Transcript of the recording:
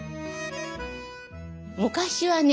昔はね